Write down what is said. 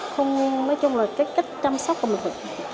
không nói chung là cách chăm sóc của mình